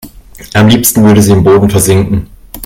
Am liebsten würde sie im Boden versinken.